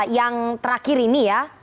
yang terakhir ini ya